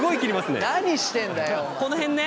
この辺ね。